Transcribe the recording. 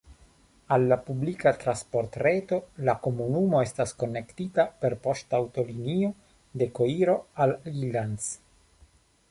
Al la publika transportreto la komunumo estas konektita per poŝtaŭtolinio de Koiro al Ilanz.